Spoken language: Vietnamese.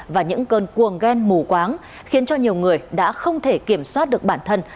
và những cơn cuồng ghen mù quáng khiến cho nhiều người đã không thể kiểm soát được bản thân